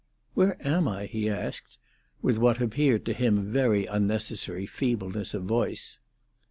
"Where am I?" he asked, with what appeared to him very unnecessary feebleness of voice.